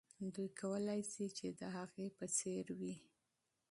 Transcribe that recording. دوی کولای سي چې د هغې په څېر وي.